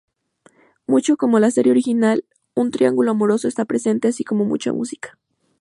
Mucho como la serie original, un triángulo amoroso está presente, así como mucha música.